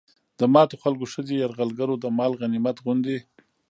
د ماتو خلکو ښځې يرغلګرو د مال غنميت غوندې